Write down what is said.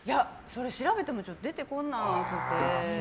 調べても出てこなくて。